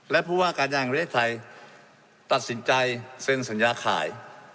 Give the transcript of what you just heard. และผู้ว่าการยางแห่งประเทศไทยตัดสินใจเซ็นสัญญาขาย